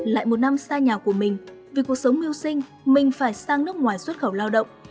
lại một năm xa nhà của mình vì cuộc sống mưu sinh mình phải sang nước ngoài xuất khẩu lao động